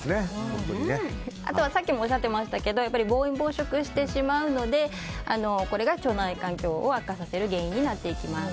さっきもおっしゃっていましたが暴飲暴食してしまうのでこれが腸内環境を悪化させる原因になります。